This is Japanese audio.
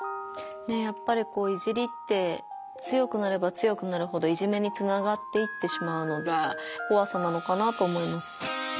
やっぱり「いじり」って強くなれば強くなるほどいじめにつながっていってしまうのがこわさなのかなと思います。